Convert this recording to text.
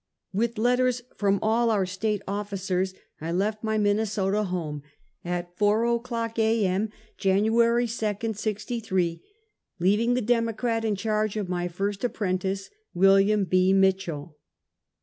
"With letters from all our State officers, I left my Minnesota home at four o'clock a. m., Januarj' 2nd, '63, leaving the Democrat in charge of my first ap prentice, William B. Mitchell.